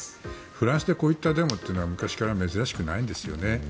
フランスでこういったデモというのは昔から珍しくないんですよね。